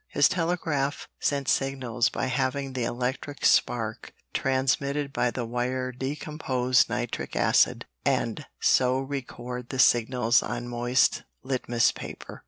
His telegraph sent signals by having the electric spark transmitted by the wire decompose nitric acid and so record the signals on moist litmus paper.